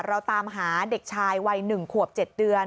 เราตามหาเด็กชายวัย๑ขวบ๗เดือน